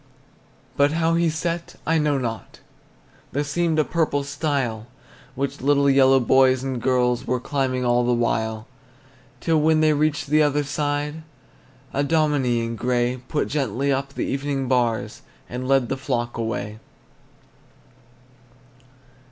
But how he set, I know not. There seemed a purple stile Which little yellow boys and girls Were climbing all the while Till when they reached the other side, A dominie in gray Put gently up the evening bars, And led the flock away.